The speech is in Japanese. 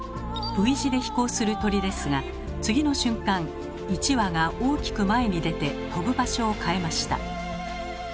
Ｖ字で飛行する鳥ですが次の瞬間一羽が大きく前に出て飛ぶ場所を変えました。